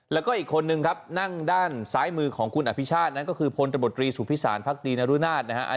แล้วก็อีกคนนึงครับนั่งด้านซ้ายมือของคุณอภิชาตินั้นก็คือพลตบตรีสุพิสารพักดีนรุนาศนะฮะ